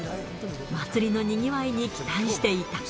祭りのにぎわいに期待していた。